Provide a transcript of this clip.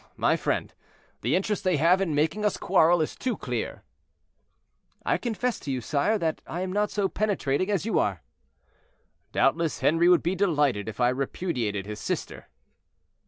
"Oh, my friend, the interest they have in making us quarrel is too clear." "I confess to you, sire, that I am not so penetrating as you are." "Doubtless Henri would be delighted if I repudiated his sister."